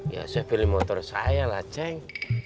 ya saya pilih motor saya lah ceng